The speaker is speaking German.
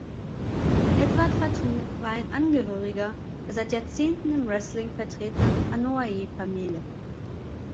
Edward Fatu war ein Angehöriger der seit Jahrzehnten im Wrestling vertretenen Anoa’i-Familie.